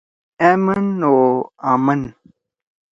أمن او آمن: